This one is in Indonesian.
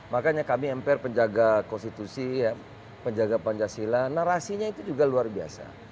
makanya kami mpr penjaga konstitusi penjaga pancasila narasinya itu juga luar biasa